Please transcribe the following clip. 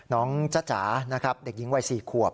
จ๊ะจ๋านะครับเด็กหญิงวัย๔ขวบ